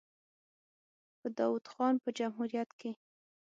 په داوود خان په جمهوریت کې.